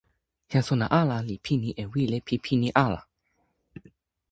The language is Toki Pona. jan sona ala li pini e wile pi pini ala.